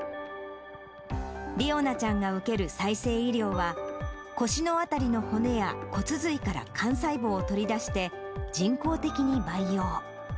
理央奈ちゃんが受ける再生医療は、腰の辺りの骨や骨髄から幹細胞を取り出して、人工的に培養。